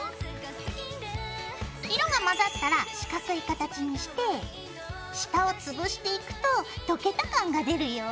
色が混ざったら四角い形にして下をつぶしていくと溶けた感が出るよ。